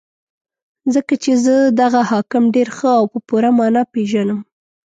ځکه چې زه دغه حاکم ډېر ښه او په پوره مانا پېژنم.